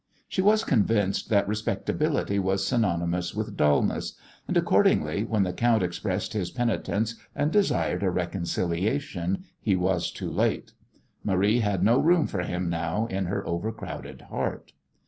She was convinced that respectability was synonymous with dullness, and, accordingly, when the count expressed his penitence and desired a reconciliation he was too late. Marie had no room for him now in her overcrowded heart.